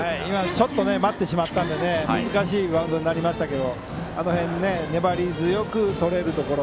ちょっと待ってしまったので難しいバウンドになりましたがあの辺、粘り強くとれるところ。